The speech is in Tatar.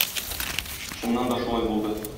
Чыннан да шулай булды.